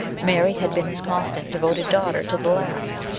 Mary had been his constant devoted daughter to the last.